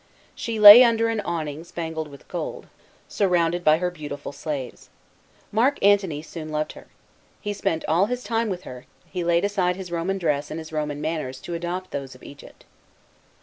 She lay under an awning spangled with gold, surrounded by her beautiful slaves. Mark Antony soon loved her. He spent all his time with her, he laid aside his Roman dress and his Roman manners to adopt those of Egypt.